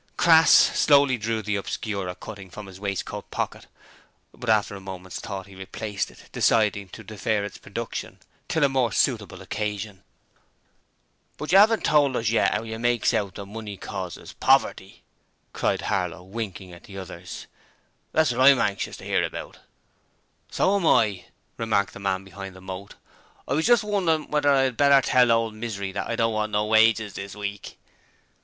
Crass slowly drew the Obscurer cutting from his waistcoat pocket, but after a moment's thought he replaced it, deciding to defer its production till a more suitable occasion. 'But you 'aven't told us yet 'ow you makes out that money causes poverty,' cried Harlow, winking at the others. 'That's what I'M anxious to 'ear about!' 'So am I,' remarked the man behind the moat. 'I was just wondering whether I 'adn't better tell ole Misery that I don't want no wages this week.'